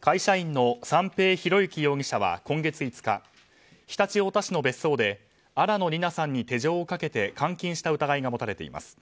会社員の三瓶博幸容疑者は今月５日常陸太田市の別荘で新野りなさんに手錠をかけて監禁した疑いが持たれています。